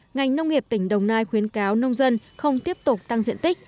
ngành nông nghiệp tỉnh đồng nai khuyến cáo nông dân không tiếp tục tăng diện tích